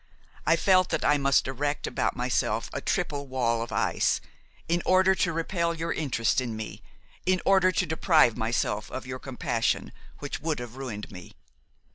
I felt that I must erect about myself a triple wall of ice, in order to repel your interest in me, in order to deprive myself of your compassion, which would have ruined me.